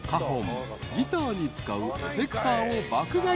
［ギターに使うエフェクターを爆買い］